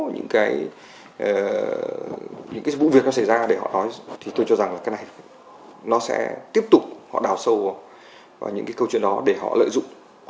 những cái vụ việc nó xảy ra để họ nói thì tôi cho rằng là cái này nó sẽ tiếp tục họ đào sâu vào những cái câu chuyện đó để họ lợi dụng